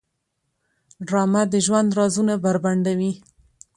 ډرامه د ژوند رازونه بربنډوي